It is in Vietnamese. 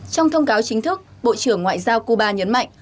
trong thông cáo chính thức bộ trưởng ngoại giao cuba nhấn mạnh